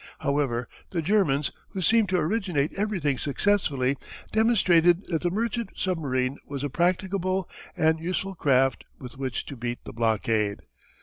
However the Germans who seemed to originate everything successfully demonstrated that the merchant submarine was a practicable and useful craft with which to beat the blockade.